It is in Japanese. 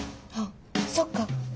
あっそっか。